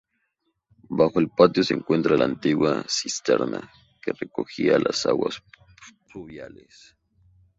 Bajo el patio se encuentra la antigua cisterna que recogía las aguas pluviales.